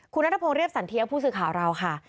คุณนัทพงศ์เรียบสันเทียผู้สื่อข่าวเราค่ะ